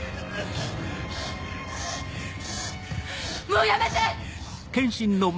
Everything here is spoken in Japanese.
もうやめて！